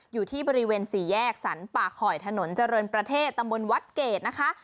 อยู่ที่บริเวณสี่แยกสรรป่าคอยถนนเจริญประเทศตำบลวัดเกดนะคะ